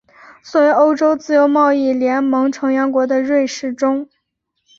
作为欧洲自由贸易联盟成员国的瑞士中。